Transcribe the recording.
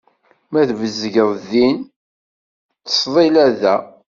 Ma tbezgeḍ din, ttesḍila da.